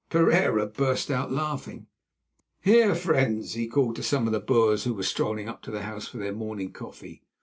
Pereira burst out laughing. "Here, friends," he called to some of the Boers who were strolling up to the house for their morning coffee.